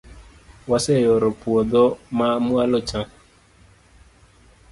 waseyoro puodho ma mwalo cha